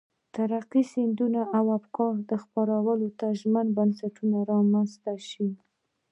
ترقي پسندو افکارو خپرولو ته ژمن بنسټونه رامنځته شي.